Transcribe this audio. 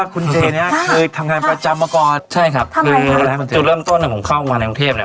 คือจุดเริ่มต้นเนี่ยผมเข้ามาในกังเทพเนี่ย